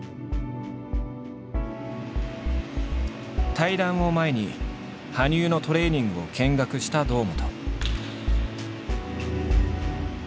対談を前に羽生のトレーニングを見学した堂本。